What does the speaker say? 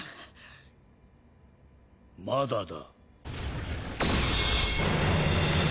まだだ。